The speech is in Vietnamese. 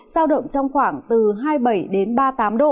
giao động trong khoảng từ hai mươi bảy đến ba mươi tám độ